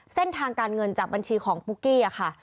เส้นทางการเงินจากบัญชีของปุ๊กกี้ค่ะ